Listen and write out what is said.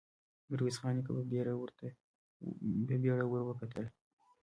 ميرويس خان په بېړه ور وکتل.